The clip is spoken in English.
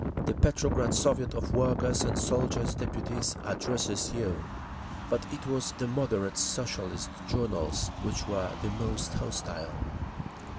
"The Petrograd Soviet of Workers' and Soldiers' Deputies addresses you." But it was the "moderate" Socialist journals which were the most hostile.